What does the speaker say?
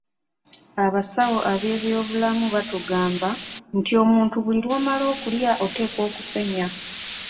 Abasawo ab'ebyobulamu batugamba nti omuntu buli lw'omala okulya oteekwa okusenya.